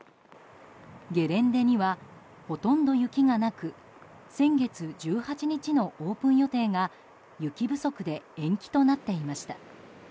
ゲレンデには、ほとんど雪がなく先月１８日のオープン予定が雪不足で延期となっていました。